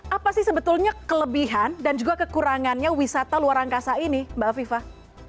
apa sih sebetulnya kelebihan dan juga kekurangannya wisata luar angkasa ini mbak afifah